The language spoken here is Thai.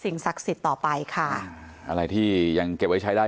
ศักดิ์สิทธิ์ต่อไปค่ะอะไรที่ยังเก็บไว้ใช้ได้